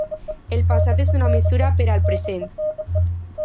El passat és una mesura per al present.